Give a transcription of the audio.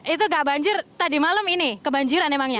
itu gak banjir tadi malam ini kebanjiran emangnya